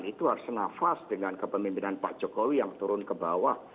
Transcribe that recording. itu harus nafas dengan kepemimpinan pak jokowi yang turun ke bawah